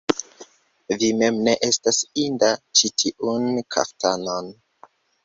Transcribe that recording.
Vi mem ne estas inda ĉi tiun kaftanon!